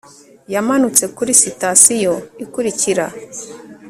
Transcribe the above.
yamanutse kuri sitasiyo ikurikira